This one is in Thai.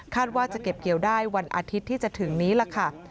ว่าจะเก็บเกี่ยวได้วันอาทิตย์ที่จะถึงนี้ล่ะค่ะ